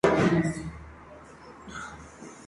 La más cercano es el de Rho, en la línea Turín-Milán.